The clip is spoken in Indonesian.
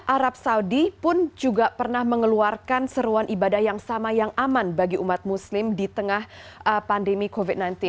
arab saudi pun juga pernah mengeluarkan seruan ibadah yang sama yang aman bagi umat muslim di tengah pandemi covid sembilan belas